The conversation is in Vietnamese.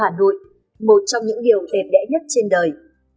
hà nội một trong những điều đẹp đẽ nhất trên đời